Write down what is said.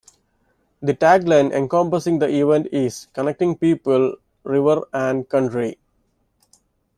The tagline encompassing the event is 'Connecting People, River and Country'.